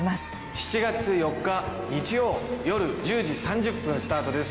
７月４日日曜夜１０時３０分スタートです。